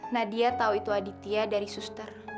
nadia tahu itu aditya dari suster